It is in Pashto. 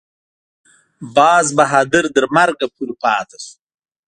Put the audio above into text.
باز بهادر تر مرګه پورې پاته شو.